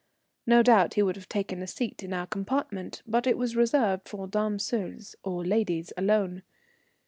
No doubt he would have taken a seat in our compartment, but it was reserved for dames seules or ladies alone.